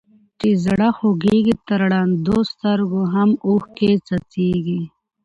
چي زړه خوږيږي تر ړندو سترګو هم اوښکي څڅيږي.